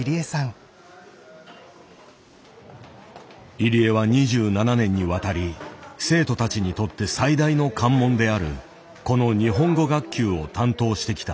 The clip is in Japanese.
入江は２７年にわたり生徒たちにとって最大の関門であるこの日本語学級を担当してきた。